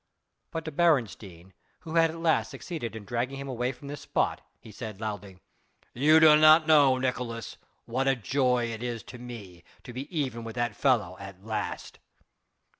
But to Beresteyn, who had at last succeeded in dragging him away from this spot, he said loudly: "You do not know, Nicolaes, what a joy it is to me to be even with that fellow at last."